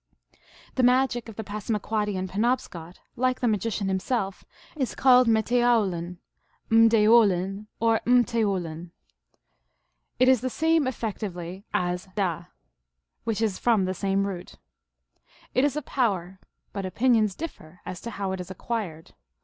The magic of the Passamaquoddy and Penobscot, like the magician himself, is called metowlin, rri deoo lin, or m t Moulin* It is the same effectively as 340 THE ALGONQUIN LEGENDS. which is from the same root. It is a power, but opinions differ as to how it is acquired.